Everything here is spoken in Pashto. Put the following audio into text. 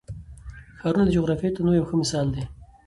ښارونه د جغرافیوي تنوع یو ښه مثال دی.